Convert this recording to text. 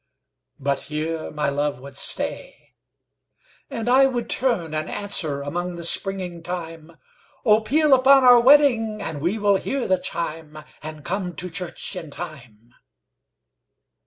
'But here my love would stay. And I would turn and answerAmong the springing thyme,'Oh, peal upon our wedding, And we will hear the chime, And come to church in time.